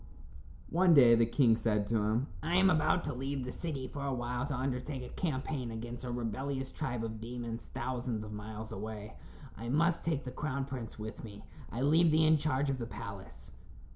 One day the king said to him: "I am about to leave the city for a while to undertake a campaign against a rebellious tribe of demons thousands of miles away. I must take the crown prince with me. I leave thee in charge of the palace."